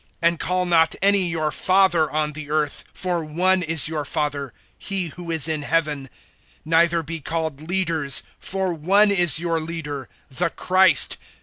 (9)And call not any your father on the earth; for one is your Father, he who is in heaven. (10)Neither be called leaders; for one is your leader, the Christ.